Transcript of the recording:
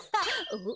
おっ！